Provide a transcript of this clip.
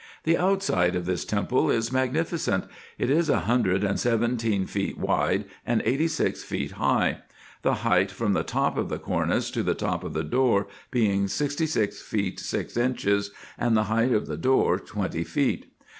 The outside of this temple is magnificent. It is a hundred and seventeen feet wide, and eighty six feet high ; the height from the top of the cornice to the top of the door being sixty six feet six inches, and the height of the door twenty feet.